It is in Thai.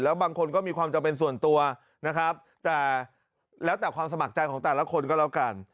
บางคนก็มีความจำเป็นส่วนตัวนะครับแต่แล้วแต่ความสมัครใจของแต่ละคนก็แล้วกัน